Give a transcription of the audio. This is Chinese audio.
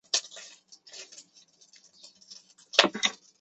胡商彝是清朝光绪癸卯科进士。